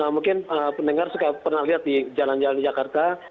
mungkin pendengar pernah lihat di jalan jalan di jakarta